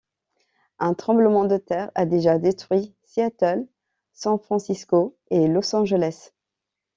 Un tremblement de terre a déjà détruit Seattle, San Francisco et Los Angeles.